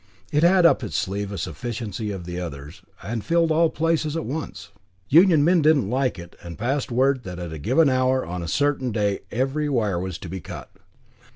It had up its sleeve a sufficiency of the others, and filled all places at once. Union men didn't like it, and passed word that at a given hour on a certain day every wire was to be cut.